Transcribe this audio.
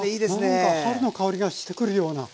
なんか春の香りがしてくるような。